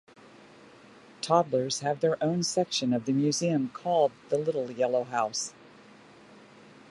Toddlers have their own section of the museum called The Little Yellow House.